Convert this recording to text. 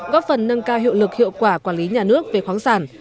góp phần nâng cao hiệu lực hiệu quả quản lý nhà nước về khoáng sản